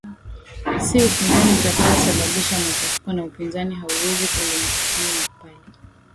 si upinzani utakao sababisha machafuko na upinzani hauwezi kulaumiwa pale